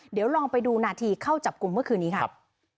เดี๋ยวลองไปดูนาทีเข้าจับกลุ่มเมื่อคืนนี้ครับ